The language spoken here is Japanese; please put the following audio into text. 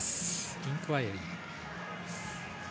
インクワイアリー。